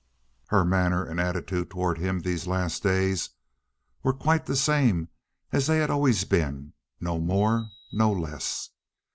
Her manner and attitude toward him in these last days were quite the same as they had always been—no more, no less.